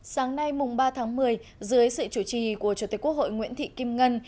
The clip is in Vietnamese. sáng nay mùng ba tháng một mươi dưới sự chủ trì của chủ tịch quốc hội nguyễn thị kim ngân